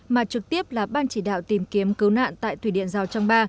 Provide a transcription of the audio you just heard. mà trực tiếp là ban chỉ đạo tìm kiếm cứu nạn tại thủy điện rào trang ba